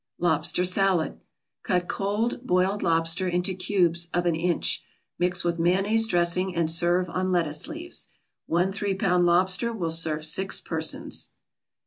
LOBSTER SALAD Cut cold boiled lobster into cubes of an inch, mix with mayonnaise dressing and serve on lettuce leaves. One three pound lobster will serve six persons.